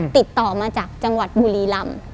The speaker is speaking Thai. ติดต่อมาจากจังหวัดบุรีลำ